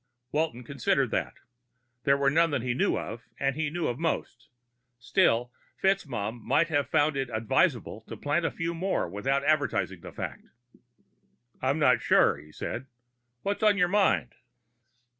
Walton considered that. There were none that he knew of, and he knew of most. Still, FitzMaugham might have found it advisable to plant a few without advertising the fact. "I'm not sure," he said. "What's on your mind?"